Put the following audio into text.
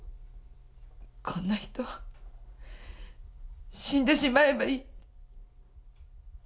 こんな人死んでしまえばいい。